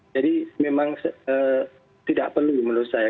jadi memang tidak perlu menurut saya